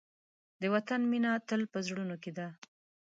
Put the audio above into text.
د وطن مینه تل په زړونو کې ده.